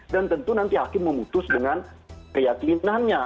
dan tentu nanti hakim memutus dengan keyakinannya